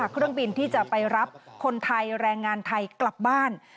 เครื่องบินที่จะไปรับคนไทยแรงงานไทยกลับบ้าน